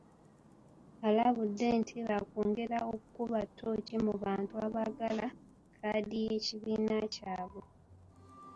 Alabudde nti baakwongera okukuba ttooci mu bantu abaagala kkaadi y'ekibiina kyabwe.